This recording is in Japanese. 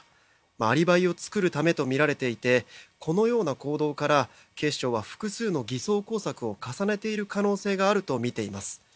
アリバイを作るためとみられていてこのような行動から警視庁は複数の偽装工作を重ねている可能性があるとみています。